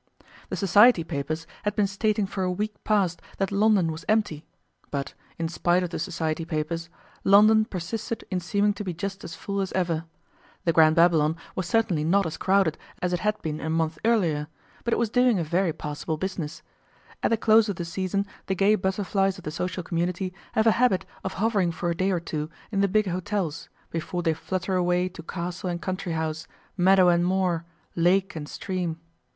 The Society papers had been stating for a week past that London was empty, but, in spite of the Society papers, London persisted in seeming to be just as full as ever. The Grand Babylon was certainly not as crowded as it had been a month earlier, but it was doing a very passable business. At the close of the season the gay butterflies of the social community have a habit of hovering for a day or two in the big hotels before they flutter away to castle and country house, meadow and moor, lake and stream.